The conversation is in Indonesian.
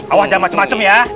awal aja macem macem ya